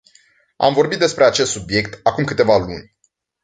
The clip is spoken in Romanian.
Am vorbit despre acest subiect acum câteva luni.